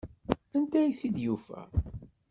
Anda ay t-id-yufa?